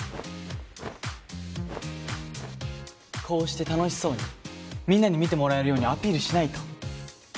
こうして楽しそうにみんなに見てもらえるようにアピールしないと。